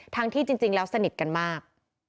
ที่จริงแล้วสนิทกันมาก